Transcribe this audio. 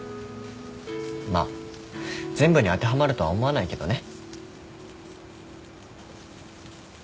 まあ全部に当てはまるとは思わないけどね。